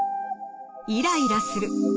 イライラする。